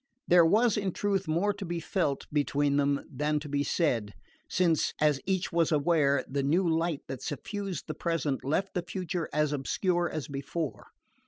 There was in truth more to be felt between them than to be said; since, as each was aware, the new light that suffused the present left the future as obscure as before.